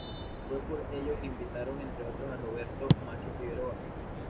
Fue por ello que invitaron entre otros a Roberto "Macho" Figueroa.